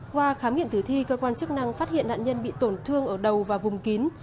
qua khám nghiệm tử thi cơ quan chức năng phát hiện nạn nhân bị tổn thương ở đầu và vùng kín